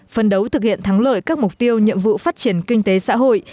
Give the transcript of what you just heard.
phân đấu thực hiện thắng lợi các mục tiêu nhiệm vụ phát triển kinh tế xã hội